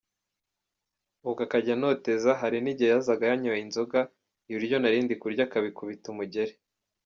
Ubwo akajya antoteza, hari n’igihe yazaga yanyoye inzoga, ibiryo narindi kurya akabikubita umugeri.